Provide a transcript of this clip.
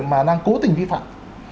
mà đang cố tình vi phạm